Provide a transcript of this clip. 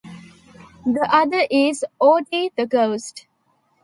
The other is Oatie the Ghost.